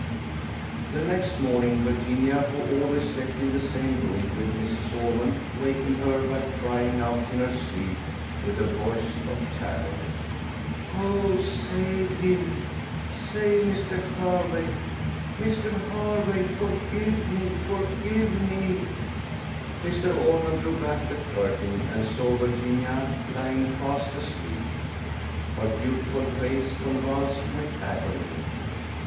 The next morning Virginia, who always slept in the same room with Mrs. Ormond, wakened her, by crying out in her sleep, with a voice of terror, "Oh, save him! save Mr. Hervey! Mr. Hervey! forgive me! forgive me!" Mrs. Ormond drew back the curtain, and saw Virginia lying fast asleep; her beautiful face convulsed with agony.